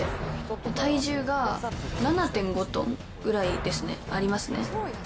体重が７．５トンぐらいですね、ありますね。